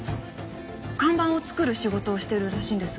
看板を作る仕事をしてるらしいんですが。